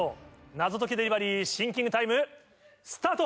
ナゾトキデリバリーシンキングタイムスタート！